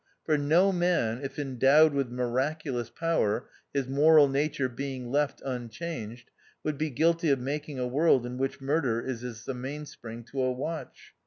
For no man, if endowed with miraculous power, his moral nature being left unchanged, would be guilty of making a world in which mur der is as the mainspring to a watch.